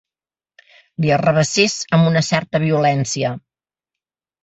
Li arrabassés amb una certa violència.